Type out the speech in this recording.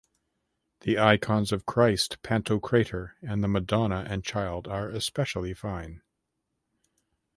The icons of Christ Pantocrator and the Madonna and Child are especially fine.